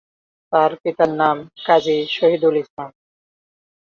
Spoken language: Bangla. তার পিতার নাম কাজী শহীদুল ইসলাম।